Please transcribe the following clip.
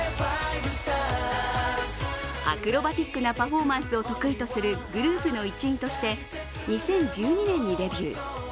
アクロバチックなパフォーマンスを得意とするグループの一員として２０１２年にデビュー。